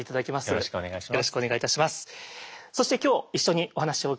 よろしくお願いします。